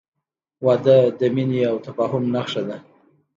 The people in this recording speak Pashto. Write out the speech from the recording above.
• واده د مینې او تفاهم نښه ده.